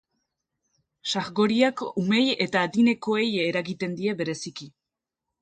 Sargoriak umeei eta adinekoei eragiten die bereziki.